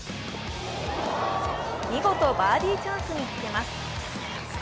見事バーディーチャンスにつけます。